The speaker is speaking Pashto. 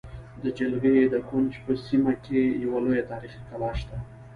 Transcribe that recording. د جلگې د کونج په سیمه کې یوه لویه تاریخې کلا شته